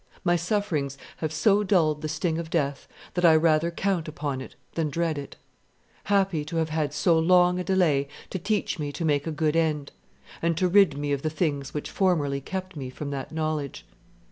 My sufferings have so dulled the sting of death that I rather count upon it than dread it; happy to have had so long a delay to teach me to make a good end, and to rid me of the things which formerly kept me from that knowledge.